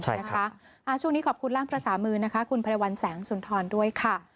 ช่วงนี้ขอบคุณล่างภาษามือนะคะคุณไรวัลแสงสุนทรด้วยค่ะ